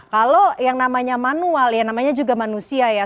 kalau yang namanya manual ya namanya juga manusia ya